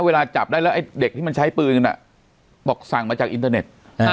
เวลาจับได้แล้วไอ้เด็กที่มันใช้ปืนบอกสั่งมาจากอินเทอร์เน็ต